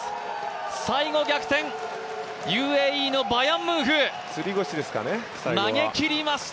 最後逆転、ＵＡＥのバヤンムンフ、投げ切りました。